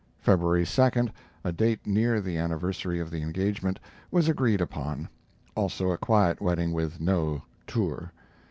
February 2d, a date near the anniversary of the engagement, was agreed upon, also a quiet wedding with no "tour."